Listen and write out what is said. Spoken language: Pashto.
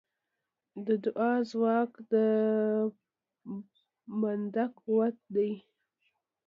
د دعا ځواک د بنده قوت دی.